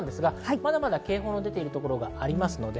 まだまだ警報出ているところもあります。